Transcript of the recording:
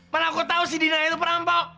mana aku tau si dinaya itu perampok